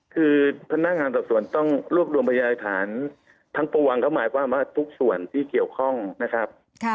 คือพนักงานสอบสวนต้องรวบรวมพยานฐานทั้งปวงก็หมายความว่าทุกส่วนที่เกี่ยวข้องนะครับ